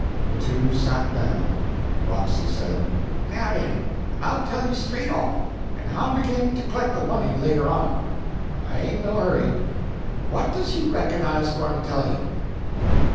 The two sat down. Roxy said "Now den, I'll tell you straight off, en I'll begin to k'leck de money later on; I ain't in no hurry. What does you reckon I's gwine to tell you?"